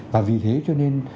và vì thế cho nên